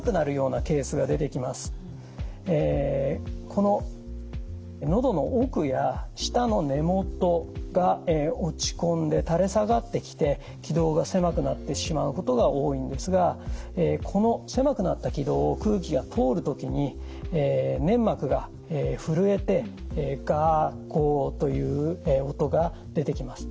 こののどの奥や舌の根もとが落ち込んで垂れ下がってきて気道が狭くなってしまうことが多いんですがこの狭くなった気道を空気が通る時に粘膜が震えて「ガ」「ゴ」という音が出てきます。